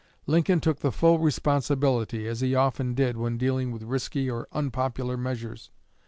Lincoln took the full responsibility, as he often did when dealing with risky or unpopular measures.